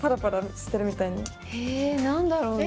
えなんだろうね？